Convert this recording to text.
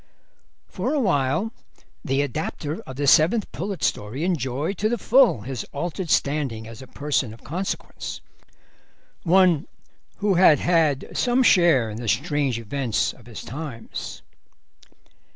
For awhile the adapter of the Seventh Pullet story enjoyed to the full his altered standing as a person of consequence, one who had had some share in the strange events of his times.